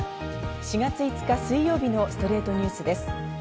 ４月５日、水曜日の『ストレイトニュース』です。